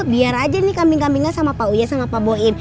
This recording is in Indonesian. biar aja nih kambing kambingnya sama pak uye sama pak boim